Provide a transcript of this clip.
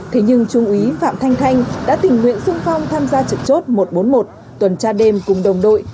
thế nhưng trung úy phạm thanh thanh đã tình nguyện sung phong tham gia trực chốt một trăm bốn mươi một tuần tra đêm cùng đồng đội